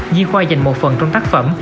di khoa dành một phần trong tác phẩm